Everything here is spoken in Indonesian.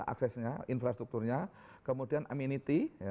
access nya infrastrukturnya kemudian amenity